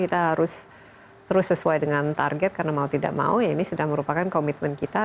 kita harus terus sesuai dengan target karena mau tidak mau ya ini sudah merupakan komitmen kita